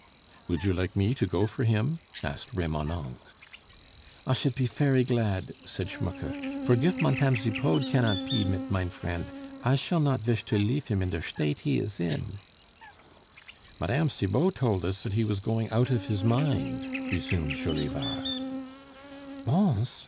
"Would you like me to go for him?" asked Remonencq. "I should pe fery glad," said Schmucke; "for gif Montame Zipod cannot pe mit mine vriend, I shall not vish to leaf him in der shtate he is in " "Mme. Cibot told us that he was going out of his mind," resumed Jolivard. "Bons!